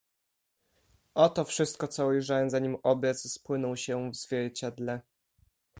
"Oto wszystko, co ujrzałem, zanim obraz rozpłynął się w zwierciadle."